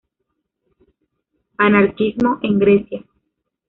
Anarquismo en Grecia